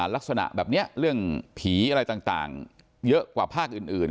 ลักษณะแบบนี้เรื่องผีอะไรต่างเยอะกว่าภาคอื่น